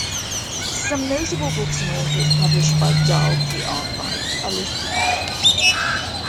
Some notable books and authors published by Dalkey Archive are listed below.